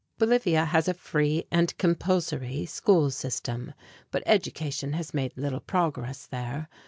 Bolivia has a free and compulsory school system, but education has made little progress there.